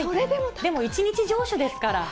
でも一日城主ですから。